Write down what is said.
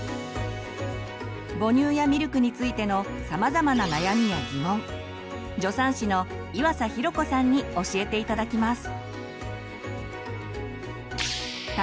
母乳やミルクについてのさまざまな悩みやギモン助産師の岩佐寛子さんに教えて頂きます。